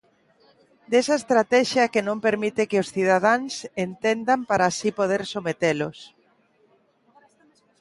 Desa estratexia que non permite que os cidadáns entendan para así poder sometelos.